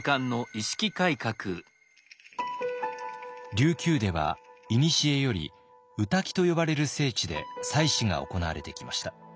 琉球ではいにしえより御嶽と呼ばれる聖地で祭祀が行われてきました。